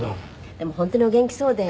でも本当にお元気そうで。